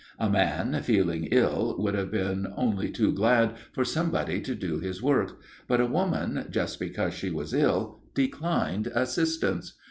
A man, feeling ill, would have been only too glad for somebody to do his work; but a woman, just because she was ill, declined assistance.